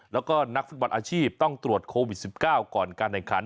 แล้วก็นักฟุตบอลอาชีพต้องตรวจโควิด๑๙ก่อนการแข่งขัน